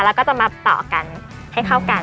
แล้วก็จะมาต่อกันให้เข้ากัน